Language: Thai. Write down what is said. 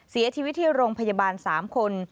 เสียชีวิตที่โรงพยาบาล๓คน